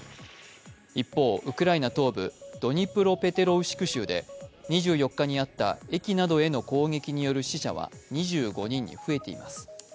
一方、ウクライナ東部ドニプロペテロウシク州で２４日にあった駅などへの攻撃による死者は２５人に増えています。